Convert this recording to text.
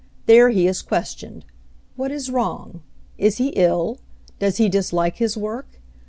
There he is questioned. What is wrong? Is he ill? Does he dislike his work?